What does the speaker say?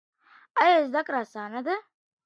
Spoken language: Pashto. ایا زده کړه اسانه ده؟